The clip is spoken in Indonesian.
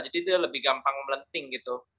jadi itu lebih gampang melenting gitu